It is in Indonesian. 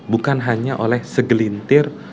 bukan hanya oleh segelintir